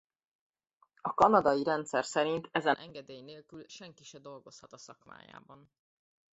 A kanadai rendszer szerint ezen engedély nélkül senki se dolgozhat a szakmájában.